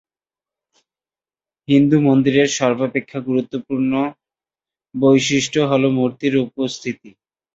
হিন্দু মন্দিরের সর্বাপেক্ষা গুরুত্বপূর্ণ বৈশিষ্ট্য হল মূর্তির উপস্থিতি।